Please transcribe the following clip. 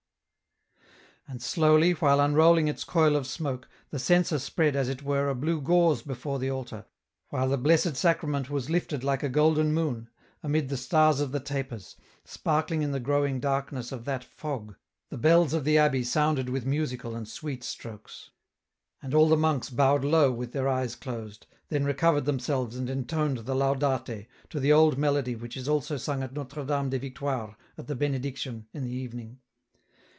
270 EN ROUTE. And slowly, while unrolling its coil of smoke, the censer spread, as it were, a blue gauze before the altar, while the Blessed Sacrament was lifted like a golden moon, amid the stars of the tapers, sparkling in the growing darkness of that fog, the bells of the abbey sounded with musical and sweet strokes. And all the monks bowed low with their eyes closed, then recovered themselves and entoned the " Laudate " to the old melody which is also sung at Notre Dame des Victoires at the Benediction in the evening.